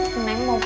siapa yang batuk